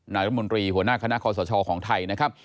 รัฐมนตรีหัวหน้าคณะคอสชของไทยนะครับ